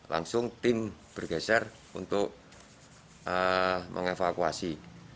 langsung tim bergeser untuk mengevakuasi